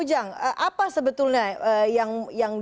juga ada ketimbang